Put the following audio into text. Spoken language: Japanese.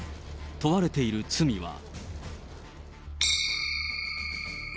問われている罪は。